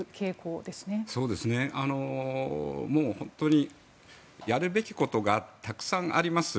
そうですねやるべきことがたくさんあります。